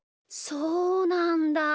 そうなんだ。